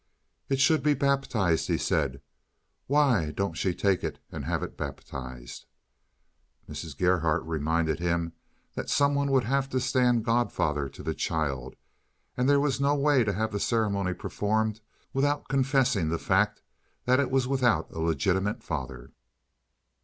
"It should be baptized," he said. "Why don't she take it and have it baptized?" Mrs. Gerhardt reminded him that some one would have to stand godfather to the child, and there was no way to have the ceremony performed without confessing the fact that it was without a legitimate father.